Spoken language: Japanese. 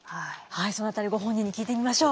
はいその辺りご本人に聞いてみましょう。